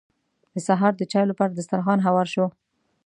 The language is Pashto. د سهار د چايو لپاره دسترخوان هوار شو.